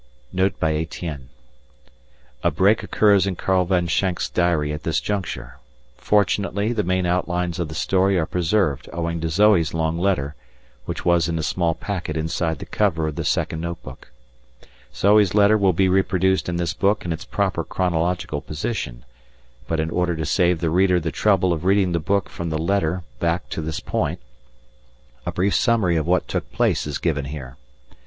NOTE BY ETIENNE _A break occurs in Karl von Schenk's diary at this juncture. Fortunately the main outlines of the story are preserved owing to Zoe's long letter, which was in a small packet inside the cover of the second notebook. Zoe's letter will be reproduced in this book in its proper chronological position, but in order to save the reader the trouble of reading the book from the letter back to this point, a brief summary of what took place is given here.